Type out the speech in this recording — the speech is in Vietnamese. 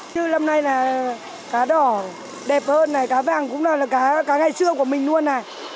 chứ năm nay là cá đỏ đẹp hơn này cá vàng cũng là cá ngày xưa của mình luôn này